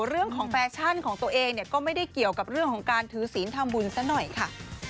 แฟชั่นของตัวเองเนี่ยก็ไม่ได้เกี่ยวกับเรื่องของการถือศีลทำบุญซะหน่อยค่ะ